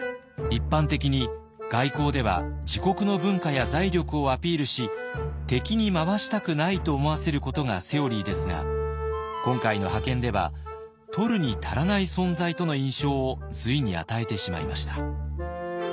一般的に外交では自国の文化や財力をアピールし「敵に回したくない」と思わせることがセオリーですが今回の派遣では「取るに足らない存在」との印象を隋に与えてしまいました。